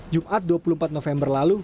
jumat dua puluh empat november lalu